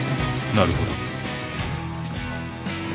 なるほど。